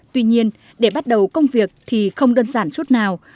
tuy nhiên để bắt đầu công việc thì không đơn giản chút nào